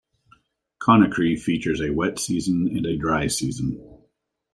Conakry features a wet season and a dry season.